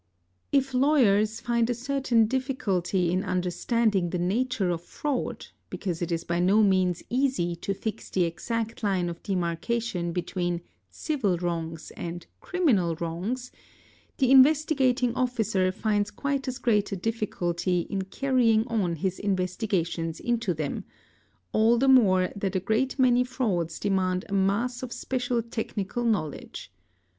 If lawyers find a certain difficulty in understanding the nature of fraud because it is by no means easy to fix the exact line of demarcation between civil wrongs and criminal wrongs, the Investigating Officer finds quite as great a difficulty in carrying on his investigations into them; all the more that a great many frauds demand a mass of special technical knowledge.